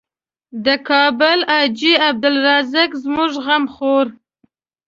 د کابل حاجي عبدالرزاق زموږ غم خوړ.